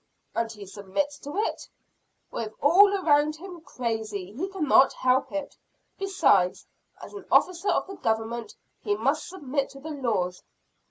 "And he submits to it?" "With all around him crazy, he cannot help it. Besides, as an officer of the government, he must submit to the laws."